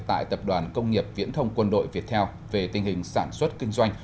tại tập đoàn công nghiệp viễn thông quân đội việt theo về tình hình sản xuất kinh doanh